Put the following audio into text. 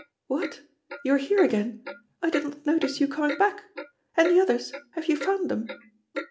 "What! you are here again! I did not notice you coming back. And the others, have you found them?"